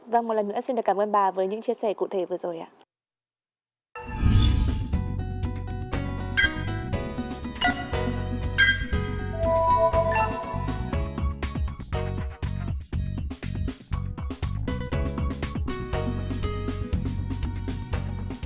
vâng một lần nữa xin được cảm ơn bà với những chia sẻ cụ thể vừa rồi ạ